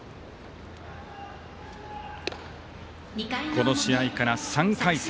この試合から３回戦。